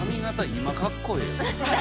今かっこええ。